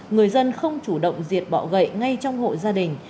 người dân không chủ động diệt bọ gậy ngay trong hộ gia đình